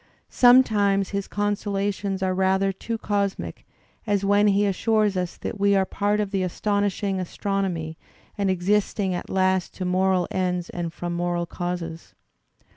Sometimes his consolations are rather \ too cosmic, as when he assures us that we are "part of the astonishing astronomy and existing at last to moral ends and \ from moral causes."